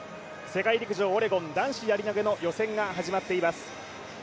世界陸上オレゴン男子やり投の予選が始まっています。